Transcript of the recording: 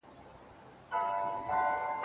د ژوند حق یوازې د مسلمانانو لپاره نه دی.